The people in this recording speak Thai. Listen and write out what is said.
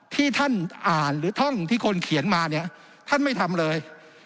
ที่ท่านอ่านหรือท่องที่คนเขียนมาเนี่ยท่านไม่ทำเลย